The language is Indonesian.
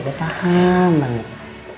gue paham banget